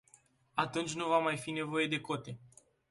Atunci nu va mai fi nevoie de cote.